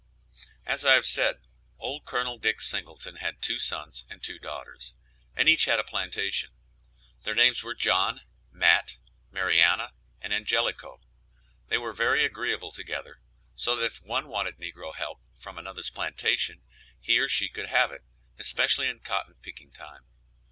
As I have said, old Col. Dick Singleton had two sons and two daughters, and each had a plantation. Their names were John, Matt, Marianna and Angelico. They were very agreeable together, so that if one wanted negro help from another's plantation, he or she could have it, especially in cotton picking time.